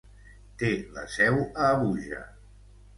Té la seu a Abuja.